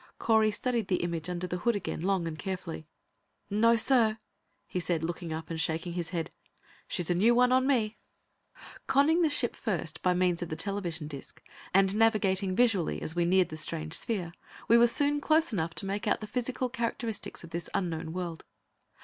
Correy studied the image under the hood again, long and carefully. "No, sir," he said, looking up and shaking his head. "She's a new one on me." Conning the ship first by means of the television disc, and navigating visually as we neared the strange sphere, we were soon close enough to make out the physical characteristics of this unknown world.